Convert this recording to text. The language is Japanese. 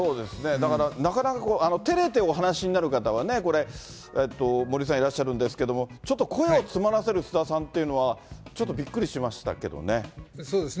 だから、なかなか、てれてお話になる方はね、森さんいらっしゃるんですけども、ちょっと声を詰まらせる菅田さんというのは、ちょっとびっくりしましたけどね。